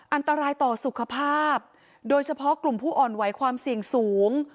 อันตรายต่อสุขภาพโดยเฉพาะกลุ่มผู้อ่อนไหวความเสี่ยงสูง